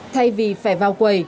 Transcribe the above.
thay vì phải vào quầy